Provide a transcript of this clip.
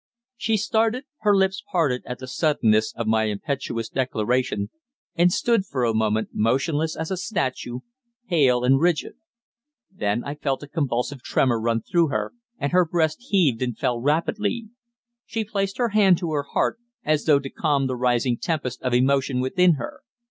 She started, her lips parted at the suddenness of my impetuous declaration, and stood for a moment, motionless as a statue, pale and rigid. Then I felt a convulsive tremor run through her, and her breast heaved and fell rapidly. She placed her hand to her heart, as though to calm the rising tempest of emotion within her.